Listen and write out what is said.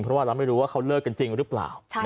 เพราะว่าเราไม่รู้ว่าเขาเลิกกันจริงหรือเปล่า